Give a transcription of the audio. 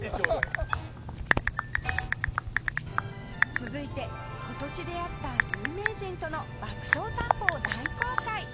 続いて今年出会った有名人との爆笑散歩を大公開